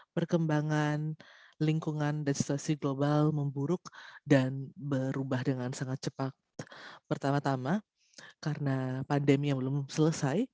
perkembangan lingkungan dan situasi global memburuk dan berubah dengan sangat cepat pertama tama karena pandemi yang belum selesai